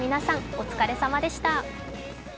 お疲れさまでした。